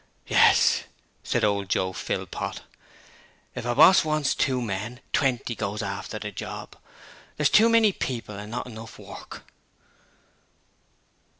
'Yes,' said old Joe Philpot. 'If a boss wants two men, twenty goes after the job: ther's too many people and not enough work.'